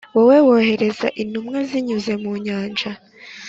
wowe wohereza intumwa zinyuze mu nyanja,